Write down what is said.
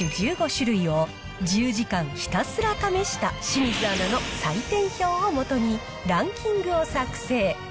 １５種類を１０時間ひたすら試した清水アナの採点表を基にランキングを作成。